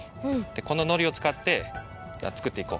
こののりをつかってつくっていこう。